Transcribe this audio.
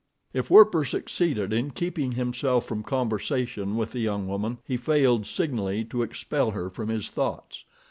If Werper succeeded in keeping himself from conversation with the young woman, he failed signally to expel her from his thoughts.